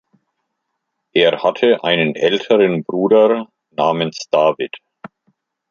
Er hatte einen älteren Bruder namens David.